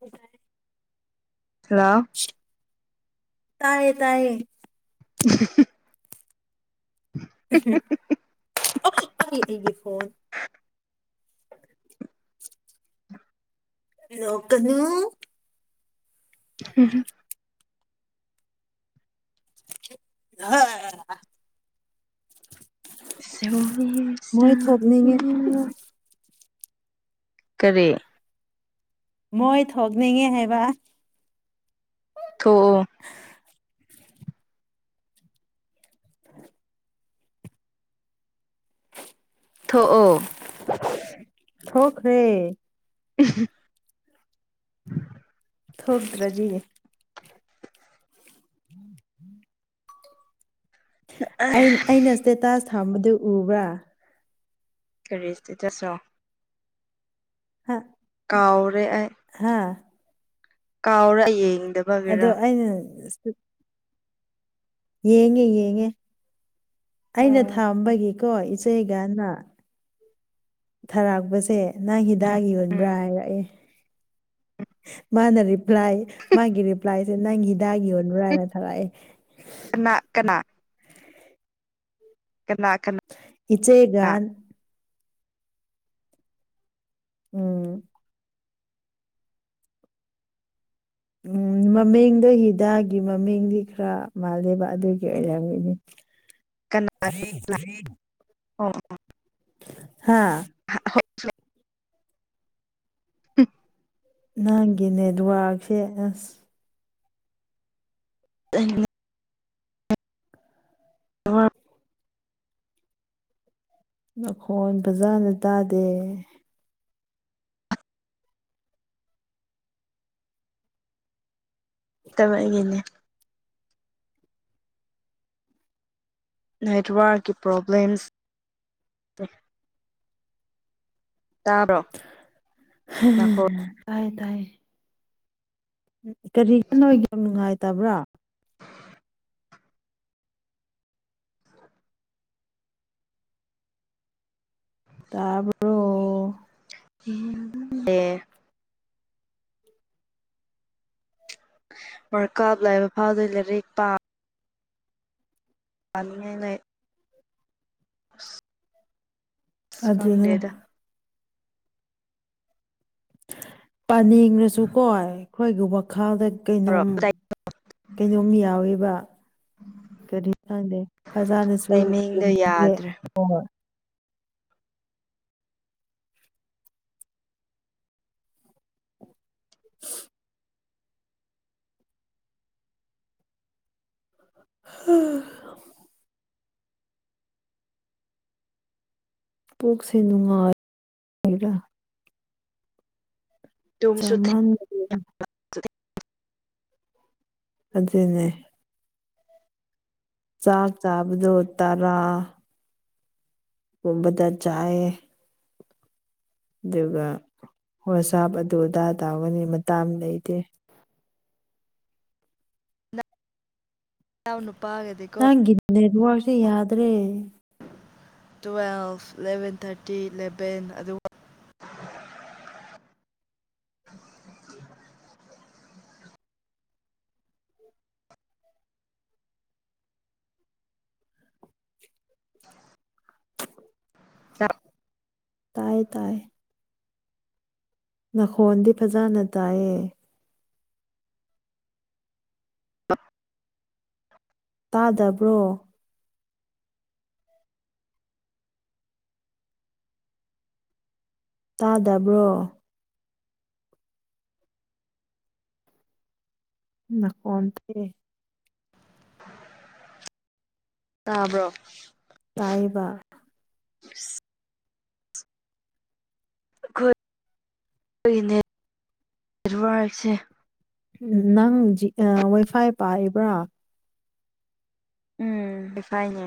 ꯕꯥꯏ hello ꯇꯥꯏꯌꯦ ꯇꯥꯏꯌꯦ [unintelligible] ꯑꯣ ꯑꯥ ꯑꯩꯒꯤ ꯐꯣꯟ ꯂꯣꯛꯀꯅꯨ ꯍꯨꯝ ꯍꯨ [unintelligible] ꯁ꯭ꯋꯣꯔꯤ ꯃꯣꯏ ꯆꯥꯛꯅ ꯊꯣꯛꯅꯤꯡꯉꯦ ꯀꯔꯤ ꯃꯣꯏ ꯊꯣꯛꯅꯤꯡꯉꯦ ꯍꯥꯏꯕ ꯊꯣꯛꯑꯣ [inaudible] ꯊꯣꯛꯑꯣ ꯊꯣꯛꯈ꯭ꯔꯦ [unintelligible] ꯊꯣꯛꯇ꯭ꯔꯗꯤ [unintelligible] ꯑꯩꯟ ꯑꯩꯅ ꯏꯁꯇꯦꯇꯥꯁ ꯊꯝꯕꯗꯨ ꯎꯕ꯭ꯔꯥ ꯀꯔꯤ ꯁꯇꯦꯇꯥꯁ ꯅꯣ ꯍꯥ ꯀꯥꯎꯔꯦ ꯑꯩ ꯍꯥꯥ ꯀꯥꯎꯔꯦ ꯑꯩ ꯌꯦꯡꯗꯕ ꯑꯗꯣ ꯑꯩꯅ ꯌꯦꯡꯉꯦ ꯌꯦꯡꯉꯦ ꯑꯩꯅ ꯎꯝ ꯊꯥꯝꯕꯒꯤꯀꯣ ꯏꯆꯦꯒꯅ ꯊꯥꯔꯛꯄꯁꯦ ꯅꯪ ꯎꯝ ꯍꯤꯗꯥꯛꯒꯤ ꯌꯣꯟꯕ꯭ꯔꯥ ꯎꯝ ꯍꯥꯏꯔꯛꯑꯦ ꯃꯥꯅ ꯔꯤ ꯔꯤꯄ꯭ꯂꯥꯏ ꯃꯥꯒꯤ ꯔꯤꯄ꯭ꯂꯥꯏꯁꯦ ꯅꯪ ꯍꯤꯗꯥꯛ ꯌꯣꯟꯕꯔꯅ ꯊꯥꯔꯛꯑꯦ ꯀꯅꯥ ꯀꯅꯥ ꯀꯅꯥ ꯀꯅꯥ ꯏꯆꯦꯒꯟ ꯎꯝ ꯎꯝ ꯃꯃꯤꯡꯗꯣ ꯍꯤꯗꯥꯛꯒꯤ ꯃꯃꯤꯡꯗꯤ ꯈꯔ ꯃꯥꯜꯂꯦꯕ ꯑꯗꯨꯒꯤ ꯑꯣꯏꯔꯝꯒꯅꯤ ꯀꯅꯥ ꯀꯅꯥꯅꯣ ꯍꯥꯥ [unintelligible] ꯍꯨꯝ ꯅꯪꯒꯤ ꯅꯦꯠꯋꯔꯛꯁꯦ ꯑꯁ [unintelligible] ꯍꯣꯏ ꯅꯈꯣꯟ ꯐꯖꯅ ꯇꯥꯗꯦ ꯇꯃꯛ ꯑꯩꯒꯤꯅꯦ ꯅꯦꯠꯋꯥꯔꯛꯀꯤ ꯄ꯭ꯔꯣꯕ꯭ꯂꯦꯝꯁ ꯇꯥꯕ꯭ꯔꯣ ꯅꯈꯣꯟ ꯇꯥꯏꯌꯦ ꯇꯥꯏꯌꯦ ꯎꯝ ꯀꯔꯤ [unintelligible] ꯅꯨꯡꯉꯥꯏꯇꯕ꯭ꯔꯥ ꯇꯥꯕ꯭ꯔꯣ [unintelligible] ꯑꯦ ꯋꯥꯔꯜꯀꯞ ꯂꯣꯏꯕ ꯐꯥꯎꯗꯤ ꯂꯥꯏꯔꯤꯛ ꯄꯥ ꯄꯥꯅꯤꯡꯉꯥꯏ ‌ꯂꯩ [inaudible] [unintelligible] ꯑꯁ‌ ꯑꯗꯨꯅꯦ ꯈꯪꯗꯦꯗ ꯄꯥꯅꯤꯡꯉꯁꯨꯀꯣ ꯑꯩꯈꯣꯏꯒꯤ ꯋꯥꯈꯜꯗ ꯀꯩꯅꯣꯝ ꯀꯩꯅꯣꯝ ꯌꯥꯎꯋꯦꯕ ꯀꯔꯤꯅꯣ ꯈꯪꯗꯦ ꯐꯖꯅꯁꯨ ꯇꯥꯏꯃꯤꯡꯗꯣ ꯇꯨꯝꯗ꯭ꯔꯦ ꯌꯥꯗ꯭ꯔꯦ ꯍꯣꯏ [inaudible] [unintelligible] ꯍꯥ ꯄꯨꯛꯁꯦ ꯅꯨꯡꯉꯥꯏ [unintelligible] ꯇꯨꯝꯁꯨ ꯆꯥꯃꯟ ꯑꯗꯨꯅꯦ ꯆꯥꯛ ꯆꯥꯕꯗꯣ ꯇꯔꯥ ꯒꯨꯨꯝꯕꯗ ꯆꯥꯏꯌꯦ ꯑꯗꯨꯒ ꯋꯥꯁꯥꯞ ꯑꯗꯨ ꯑꯗꯥ ꯇꯧꯒꯅꯤ ꯃꯇꯥꯝ ꯂꯩꯇꯦ [unintelligible] ꯅꯨꯄꯥꯒꯗꯤ ꯅꯪꯒꯤ ꯅꯦꯠꯋꯥꯔꯛꯁꯦ ꯌꯥꯗ꯭ꯔꯦ ꯇꯨꯋꯦꯜꯐ ꯏꯂꯚꯦꯟ ꯊꯥꯔꯇꯤꯟ ꯏꯂꯚꯦꯟ ꯑꯗꯨꯋꯥꯏ [inaudible] [unintelligible] [inaudible] [unintelligible] ꯆꯥꯛ ꯇꯥꯏ ꯇꯥꯏ ꯅꯈꯣꯟꯗꯤ ꯐꯖꯅ ꯇꯥꯏꯌꯦ [unintelligible] ꯇꯥꯗꯕ꯭ꯔꯣ ꯇꯥꯗꯕ꯭ꯔꯣ ꯅꯥ ꯀꯣꯟꯇꯦ ꯇꯥꯕ꯭ꯔꯣ ꯇꯥꯏꯌꯦꯕ ꯑꯩꯈꯣꯏ ꯈꯣꯏꯒꯤ ꯅꯦꯠꯋꯥꯔꯛꯁꯦ ꯅꯪ ꯖꯤꯛ ꯋꯥꯏꯐꯥꯏ ꯄꯥꯏꯕ꯭ꯔꯣ ꯎꯝ ꯋꯤꯐꯥꯏꯅꯦ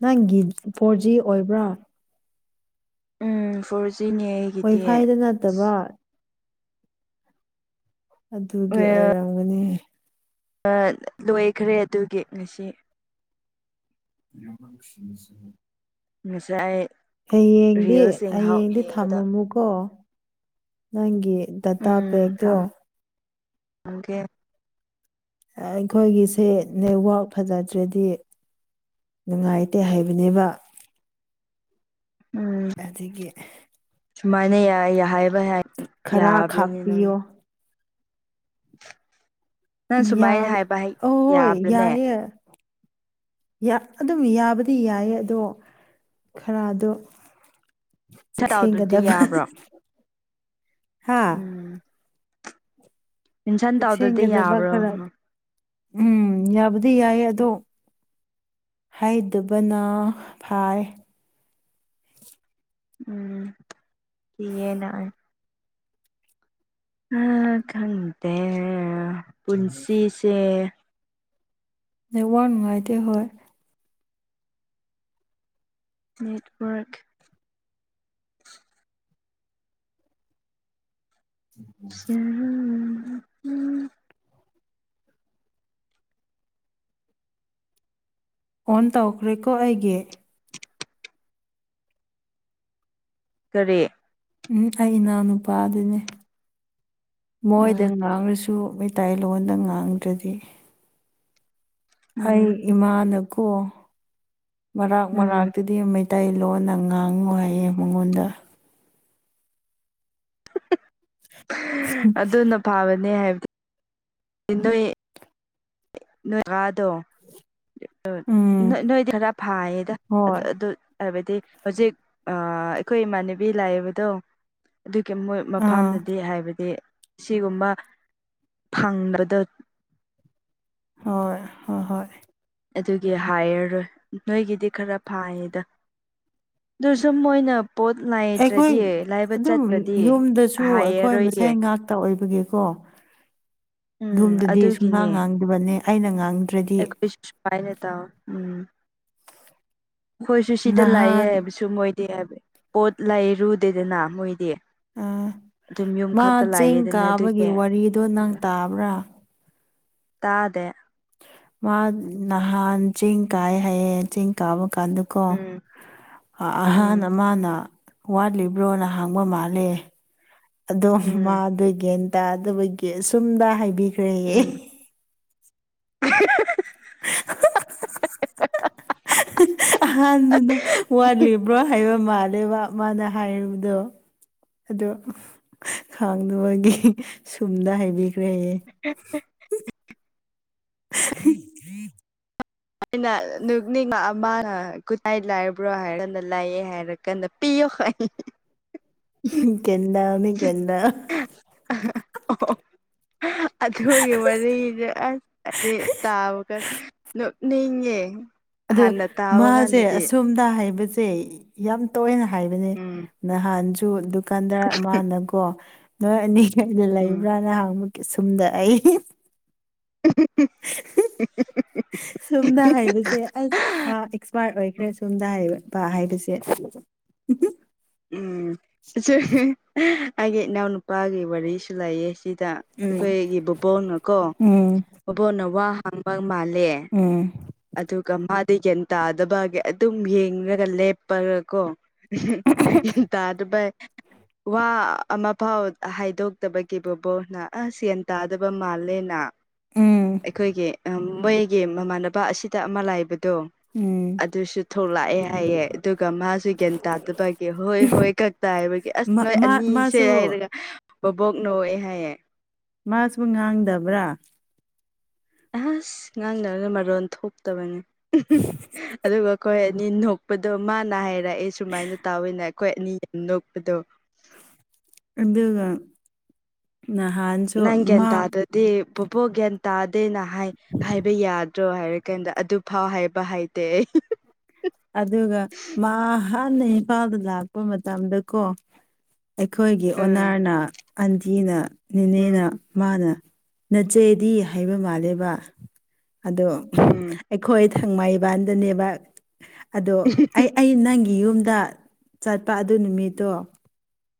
ꯅꯪꯒꯤ ꯐꯣꯔ ꯖꯤ ꯑꯣꯏꯕ꯭ꯔꯥ ꯎꯝ ꯐꯣꯔ ꯖꯤꯅꯤ ꯑꯩ ꯋꯥꯏꯐꯥꯏꯗ ꯅꯠꯇꯕ ꯑꯗꯨꯒꯤ ꯑꯣꯏꯔꯝꯒꯅꯤ ꯑ ꯂꯣꯏꯈ꯭ꯔꯦ ꯑꯗꯨꯒꯤ ꯉꯁꯤ [unintelligible] ꯉꯁꯥꯏ ꯑꯩ ꯍꯌꯦꯡꯗꯤ ꯍꯌꯦꯡꯗꯤ ꯊꯝꯃꯝꯃꯨꯀꯣ ꯅꯪꯒꯤ ꯗꯇꯥ ꯄꯦꯛꯇꯣ ꯎꯪꯀꯦ ꯑ ꯑꯩꯈꯣꯏꯒꯤꯁꯦ ꯅꯦꯠꯋꯥꯛ ꯐꯖꯗ꯭ꯔꯗꯤ ꯅꯨꯡꯉꯥꯏꯇꯦ ꯍꯥꯏꯕꯅꯦꯕ ꯎꯝ ꯑꯗꯨꯒꯤ ꯁꯨꯃꯥꯏꯅ ꯌꯥꯏ ꯍꯥꯏꯕ ꯈꯔ ꯌꯥꯕ꯭ꯔꯅꯤ ꯅꯪ ꯈꯥꯛꯄꯤꯌꯣ ꯅꯪ ꯁꯨꯃꯥꯏꯅ ꯌꯥꯕ ꯍꯥꯏꯕ ꯑꯍꯣꯏ ꯌꯥꯕ꯭ꯔꯅꯦ ꯌꯥꯏꯌꯦ ꯌꯥ ꯑꯗꯨꯝ ꯌꯥꯕꯗꯤ ꯌꯥꯏꯌꯦ ꯑꯗꯣ ꯈꯔꯗꯣ ꯇꯥꯎꯗꯨꯗꯤ ꯆꯦꯛꯁꯤꯟꯒꯗꯕ ꯌꯥꯕ꯭ꯔꯣ ꯍꯥꯥ ꯎꯝ ꯃꯦꯟꯁꯟ ꯇꯧꯗ꯭ꯔꯗꯤ ꯆꯦꯛꯁꯤꯟꯒꯗꯕ ꯌꯥꯕ꯭ꯔꯣ ꯈꯔ ꯎꯝ ꯌꯥꯕꯨꯗꯤ ꯌꯥꯏꯌꯦ ꯑꯗꯣ ꯍꯥꯏꯗꯕꯅ ꯐꯥꯏ ꯎꯝ ꯌꯦꯟꯅ ꯑꯥꯏ ꯑ ꯈꯪꯇꯦ ꯄꯨꯟꯁꯤꯁꯦ ꯅꯦꯠꯋꯥꯛ ꯅꯨꯡꯉꯥꯏꯇꯦ ꯍꯣꯏ ꯅꯦꯠꯋꯥꯔꯛ ꯁꯤꯔꯕꯣ ꯑꯣꯟ ꯇꯧꯈ꯭ꯔꯦꯀꯣ ꯑꯩꯒꯤ ꯀꯔꯤ ꯎꯝ ꯑꯩ ꯏꯅꯥꯎ ꯅꯨꯨꯄꯥ ꯑꯗꯨꯅꯦ ꯃꯣꯏꯗ ꯎꯝ ꯉꯥꯡꯔꯁꯨ ꯑꯩ ꯗꯥꯏꯂꯣꯟꯗ ꯉꯥꯡꯗ꯭ꯔꯗꯤ ꯑꯩ ꯎꯝ ꯏꯃꯥꯅꯀꯣ ꯃꯔꯥꯛ ꯎꯝ ꯃꯔꯥꯛꯇꯗꯤ ꯃꯩꯇꯩꯂꯣꯟꯅ ꯉꯥꯡꯉꯨ ꯍꯥꯏꯌꯦ ꯃꯉꯣꯟꯗ ꯑꯗꯨꯅ ꯐꯕꯅꯦ ꯍꯥꯏꯕꯗꯤ ꯅꯣꯏ ꯅꯣꯏ ꯑꯥꯗꯣ ꯎꯝ ꯅ ꯅꯣꯏꯗꯤ ꯑꯗ ꯐꯥꯏꯌꯦꯗ ꯑꯗ ꯍꯣꯏ ꯑꯗꯨ ꯍꯥꯏꯕꯗꯤ ꯍꯧꯖꯤꯛ ꯑ ꯑꯩꯈꯣꯏ ꯏꯃꯥꯟꯅꯕꯤ ꯂꯩꯕꯗꯣ ꯑꯗꯨꯒꯤ ꯃꯣꯏ ꯑꯥ ꯃꯐꯝꯗꯗꯤ ꯍꯥꯏꯕꯗꯤ ꯁꯤꯒꯨꯝꯕ ꯐꯪꯗꯗ ꯍꯣꯏ ꯍꯣ ꯍꯣꯏ ꯑꯗꯨꯒꯤ ꯍꯥꯏꯔꯔꯣꯏ ꯅꯣꯏꯒꯤꯗꯤ ꯈꯔ ꯐꯥꯏꯌꯦꯗ ꯑꯗꯨꯁꯨꯝ ꯃꯣꯏꯅ ꯄꯣꯠ ꯑꯩꯈꯣꯏ ꯅꯩꯗ꯭ꯔꯗꯤ ꯂꯩꯕ ꯑꯗꯨꯝ ꯆꯠꯇ꯭ꯔꯗꯤ ꯌꯨꯝꯗꯁꯨ ꯑꯩꯈꯣꯏ ꯍꯥꯏꯌꯥꯔꯣꯏꯌꯦ ꯃꯁꯦꯟ ꯉꯥꯛꯇ ꯑꯣꯏꯕꯒꯤꯀꯣ ꯌꯨꯝꯗꯗꯤ ꯁꯨꯡꯉꯥꯡ ꯉꯥꯡꯗꯕꯅꯦ ꯑꯩꯅ ꯉꯥꯡꯗ ꯑꯩꯈꯣꯏꯁꯨ ꯁꯨꯃꯥꯏꯅ ꯇꯧꯏ ꯎꯝ ꯑꯩꯈꯣꯏꯁꯨ ꯁꯤꯗ ꯂꯩꯌꯦ ꯅꯍꯥꯟ ꯍꯥꯏꯕꯁꯨ ꯃꯣꯏ [unintelligible] ꯄꯣꯠ ꯂꯩꯔꯨꯗꯦꯗꯅ ꯃꯣꯏꯗꯤ ꯎꯝ ꯑꯗꯨꯝ ꯌꯨꯝ ꯃꯥ ꯈꯛꯇ ꯆꯤꯡ ꯂꯥꯛꯑꯦꯗꯅ ꯀꯥꯕꯒꯤ ꯑꯗꯨꯒꯤ ꯋꯥꯔꯤꯗꯣ ꯅꯪ ꯇꯥꯕ꯭ꯔꯥ ꯇꯥꯗꯦ ꯃꯥ ꯅꯍꯥꯟ ꯆꯤꯡ ꯀꯥꯏ ꯍꯥꯏꯌꯦ ꯆꯤꯡ ꯀꯥꯕ ꯀꯥꯟꯗꯨ ꯀꯣ ꯎꯝ ꯎꯝ ꯑꯍꯥꯟ ꯑꯃꯥꯅ ꯋꯥꯠꯂꯤꯕ꯭ꯔꯣꯅ ꯍꯥꯡꯕ ꯃꯥꯜꯂꯦ ꯑꯗꯣ ꯃꯥ ꯎꯝ ꯗꯥ ꯒꯦꯟ ꯇꯥꯗꯕꯒꯤ ꯁꯨꯝꯗ ꯍꯥꯏꯕꯤꯈ꯭ꯔꯦ ꯎꯝ [unintelligible] [unintelligible] ꯑꯍꯥꯟꯕꯅ ꯋꯥꯠꯂꯤꯕ꯭ꯔꯣ ꯍꯥꯏꯕ ꯃꯥꯜꯂꯦꯕ ꯃꯥꯅ ꯍꯥꯏꯔꯤꯕꯗꯣ ꯑꯗꯣ ꯈꯥꯡꯗꯥꯕꯒꯤ ꯁꯨꯝꯅ ꯍꯥꯏꯕꯤꯈ꯭ꯔꯦ ꯌꯦ [unintelligible] [unintelligible] ꯑꯩꯅ ꯅꯨꯛꯅꯤꯡ ꯑꯃꯅ ꯈꯨꯇꯥꯏ ꯂꯥꯏꯕ꯭ꯔꯣ ꯍꯥꯏꯔꯒꯥꯟꯅ ꯂꯥꯏꯑꯦ ꯍꯥꯏꯔꯛ ꯀꯟꯅ ꯄꯤꯑꯣ ꯒꯦꯟꯗꯥꯃꯤ ꯒꯦꯟꯗꯥ [unintelligible] ꯑꯗꯨꯒꯤ ꯋꯥꯔꯤꯗ ꯑꯁ ꯍꯥꯏꯗꯤ ꯇꯥꯕꯀꯟ ꯅꯣꯛꯅꯤꯡꯉꯦ ꯑꯗ ꯍꯥꯟꯅ ꯇꯥꯕ ꯃꯥꯁꯦ ꯀꯥꯟꯗꯗꯤ ꯑꯁꯣꯝꯗ ꯍꯥꯏꯕꯁꯦ ꯌꯥꯝ ꯇꯣꯏꯅ ꯍꯥꯏꯕꯅꯦ ꯎꯝ ꯅꯍꯥꯟꯁꯨ ꯗꯨꯀꯥꯟꯗꯥꯔ ꯑꯃꯥꯅꯀꯣ ꯅꯣꯏ ꯑꯅꯤꯈꯩꯗ ꯎꯝ ꯂꯩꯕ꯭ꯔꯥ ꯅꯍꯪ ꯀꯦꯁꯨꯝꯗ ꯑꯩ [unintelligible] ꯁꯣꯝꯗ ꯍꯥꯏꯕꯁꯦ ꯑꯁ ꯃꯥ ꯑꯦꯛꯁꯄꯥꯔꯠ ꯑꯣꯏꯈ꯭ꯔꯦ ꯁꯣꯝꯗ [unintelligible] ꯍꯥꯏꯕꯁꯦ ꯎꯝ [unintelligible] ꯑꯩꯒꯤ ꯏꯅꯥꯎꯅꯨꯄꯥꯒꯤ ꯋꯥꯔꯤꯁꯨ ꯂꯩꯌꯦ ꯁꯤꯗ ꯎꯝ ꯑꯩꯈꯣꯏꯒꯤ ꯕꯣꯕꯣꯛꯅ ꯀꯣ ꯎꯝ ꯕꯣꯕꯣꯅ ꯋꯥ ꯍꯪꯕꯥ ꯃꯥꯜꯂꯦ ꯎꯝ ꯑꯗꯨꯒ ꯃꯥꯗꯤ ꯒ꯭ꯌꯥꯟ ꯇꯥꯗꯕꯒꯤ ꯑꯗꯨꯝ ꯌꯦꯡꯂꯒ ꯂꯦꯞꯄꯔꯥꯀꯣ [unintelligible] ꯇꯥꯗꯕꯩ ꯋꯥ ꯑꯃꯐꯥꯎ ꯍꯥꯏꯗꯣꯛꯇꯕꯒꯤ ꯕꯣꯕꯣꯅ ꯑꯁ ꯌꯟ ꯇꯥꯗꯕ ꯃꯥꯜꯂꯦꯅ ꯎꯝ ꯑꯩꯈꯣꯏꯒꯤ ꯃꯣꯏꯒꯤ ꯃꯃꯥꯟꯅꯕ ꯑꯁꯤꯗ ꯑꯃ ꯂꯥꯏꯕꯗꯣ ꯎꯝ ꯑꯗꯨꯁꯨ ꯊꯣꯛꯂꯛꯑꯦ ꯍꯥꯏꯌꯦ ꯑꯗꯨꯒ ꯃꯥꯁꯨ ꯒ꯭ꯌꯥꯟ ꯇꯥꯗꯕꯩ ꯀꯦ ꯍꯣꯏ ꯍꯣꯏ ꯀꯛꯇ ꯍꯥꯏꯕꯒꯤ ꯑꯁ ꯃꯥ ꯅꯣꯏ ꯃꯥ ꯑꯅꯤꯁꯦ ꯃꯥꯁꯨ ꯍꯥꯏꯔꯒ ꯕꯕꯣꯛ ꯅꯣꯛꯑꯦ ꯍꯥꯏꯌꯦ ꯃꯥꯁꯨ ꯉꯥꯡꯗꯕ꯭ꯔꯥ꯫ ꯑꯁ ꯉꯥꯡꯗꯕꯅ ꯃꯔꯣꯟ ꯊꯣꯛꯇꯕꯅꯤ ꯑꯗꯨꯒ ꯑꯩꯈꯣꯏ ꯑꯅꯤ ꯅꯣꯛꯄꯗꯣ ꯃꯥꯅ ꯍꯥꯏꯔꯛꯑꯦ ꯁꯨꯃꯥꯏꯅ ꯇꯧꯋꯩꯅ ꯑꯩꯈꯣꯏ ꯑꯅꯤ ꯑ ꯅꯣꯛꯄꯗꯣ꯫ ꯑꯗꯨꯒ__ ꯅꯍꯥꯟ ꯅꯪ ꯒ꯭ꯌꯥꯟ ꯇꯥꯗꯗꯤ ꯕꯣꯕꯣ ꯒ꯭ꯌꯥꯟ ꯇꯥꯗꯦꯅ ꯍꯥꯏ ꯍꯥꯏꯕ ꯌꯥꯗ__ ꯗꯣ ꯍꯥꯏꯔꯀꯥꯟꯗ ꯑꯗꯨ ꯐꯥꯎ ꯍꯥꯏꯕ ꯍꯥꯏꯇꯦ ꯑꯗꯨꯒ ꯃꯥ ꯍꯥꯟꯅ ꯏꯝꯄꯥꯜꯗ ꯂꯥꯛꯄ ꯃꯇꯝꯗꯀꯣ__ ꯑꯩꯈꯣꯏꯒꯤ ꯎꯝ ꯑꯣꯅꯔꯅ ꯑꯟꯗꯤꯅ ꯎꯝ ꯅꯦꯅꯦꯅꯥ ꯃꯥꯅ ꯅꯆꯦꯗꯤ ꯍꯥꯏꯕ ꯃꯂꯦꯕ ꯑꯗꯣ__ ꯎꯝ꯫ ꯑꯩꯈꯣꯏ ꯊꯥꯡꯃꯥꯏꯕꯥꯟꯗꯅꯦꯕ ꯑꯗꯣ ꯑꯩ ꯑꯩ ꯅꯪꯒꯤ ꯌꯨꯝꯗ ꯆꯠꯄ ꯑꯗꯨ ꯅꯨꯃꯤꯠꯇꯣ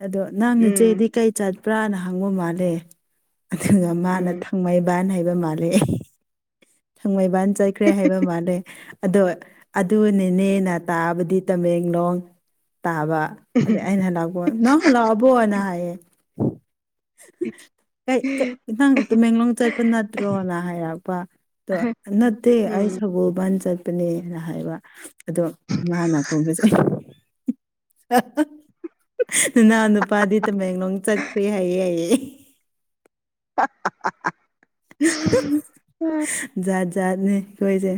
ꯑꯗꯣ__ ꯅꯪ ꯎꯝ ꯅꯆꯦꯗꯤ ꯀꯩ ꯆꯠꯄ꯭ꯔꯥꯅ ꯍꯪꯕ ꯃꯥꯜꯂꯦ ꯑꯗꯨꯒ ꯎꯝ ꯃꯥꯅ ꯊꯥꯡꯃꯩ__ ꯕꯥꯟ ꯍꯥꯏꯕ ꯃꯥꯜꯂꯦ ꯊꯥꯡꯃꯩꯕꯥꯟ ꯆꯥꯏꯈ꯭ꯔꯦ ꯍꯥꯏꯕ ꯃꯥꯂꯦ꯫ ꯑꯗꯣ ꯑꯗꯨ ꯅꯤꯅꯦꯅ ꯇꯥꯕꯗꯤ ꯇꯃꯦꯡꯂꯣꯡ ꯇꯥꯕ꯫ ꯑꯗꯩ ꯎꯝ ꯑꯩꯅ ꯍꯜꯂꯒꯣ ꯅꯪ ꯍꯜꯂꯛꯑꯕꯣꯅ ꯍꯥꯏꯌꯦ꯫ ꯀꯩ ꯀꯩ ꯅꯪ ꯇꯃꯦꯡꯂꯣꯡ ꯆꯠꯄ ꯅꯠꯇ꯭ꯔꯣꯅ ꯍꯥꯏꯔꯛꯄ__ ꯇꯣ ꯅꯠꯇꯦ ꯑꯩ ꯁꯒꯣꯜꯕꯟ ꯆꯠ__ ꯄꯅꯦꯅ ꯍꯥꯏꯕ ꯑꯗꯣ ꯃꯥꯅꯀꯣ ꯉꯁꯥꯏ ꯑ ꯍ ꯅꯅꯥꯎꯅꯨꯄꯥꯗꯤ ꯇꯃꯦꯡꯂꯣꯡ ꯆꯠꯈ꯭ꯔꯦ ꯍꯥꯌꯦ ꯍꯥꯏꯌꯦ꯫ [unintelligible] ꯖꯥꯠ ꯖꯥꯠꯅꯦ ꯑꯩꯈꯣꯏꯁꯦ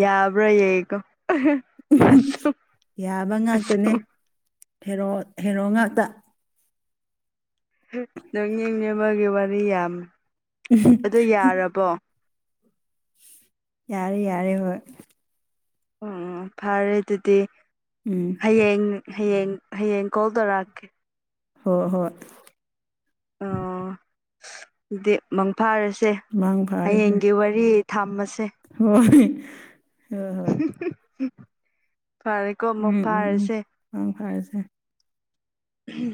ꯌꯥꯕ꯭ꯔꯥ ꯌꯦꯡꯀꯣ ꯎꯝ ꯌꯥꯕ ꯉꯥꯛꯇꯅꯦ ꯍꯦꯔꯣ ꯍꯦꯔꯣ ꯉꯥꯛꯇ ꯅꯪ ꯃꯤ ꯅꯦꯝꯕꯒꯤ ꯋꯥꯔꯤ ꯌꯥꯝ ꯑꯗꯨ ꯌꯥꯔꯕꯣ ꯌꯥꯔꯦ ꯌꯥꯔꯦ ꯍꯣꯏ ꯑꯣ ꯑꯣ ꯐꯔꯦ ꯑꯗꯨꯗꯤ ꯎꯝ ꯍꯌꯦꯡ ꯍꯌꯦꯡ ꯍꯌꯦꯡ ꯀꯣꯜ ꯇꯧꯔꯛꯑꯀꯦ ꯍꯣꯏ ꯍꯣꯏ ꯑꯣ ꯗꯦꯞ ꯃꯪꯐꯥꯔꯁꯦ ꯃꯪ ꯐꯥꯔꯁꯦ ꯍꯌꯦꯡꯒꯤ ꯋꯥꯔꯤ ꯊꯝꯃꯁꯦ ꯍꯣꯏ ꯍꯣꯏ ꯍꯣꯏ ꯐꯥꯔꯤꯛ ꯀꯣ ꯎꯝ ꯎꯝ ꯎꯝ ꯃꯪꯐꯥꯔꯁꯦ ꯃꯪ ꯐꯥꯔꯁꯦ ꯎꯝ